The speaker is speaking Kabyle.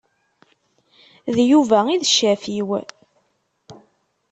D Yuba i d ccaf-iw.